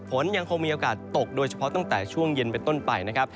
ฝนยังคงมีโอกาสตกโดยเฉพาะตั้งแต่ช่วงเย็นเป็นต้นไปนะครับ